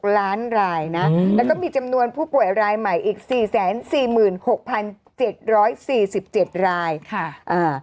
๑๑๖ล้านรายนะแล้วก็มีจำนวนผู้ป่วยรายใหม่อีก๔๔๖๗๔๗รายค่ะอ่า